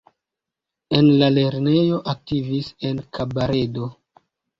En la lernejo aktivis en kabaredo.